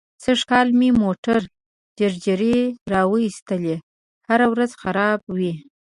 سږ کال مې موټر جرړې را و ایستلې. هره ورځ خراب وي.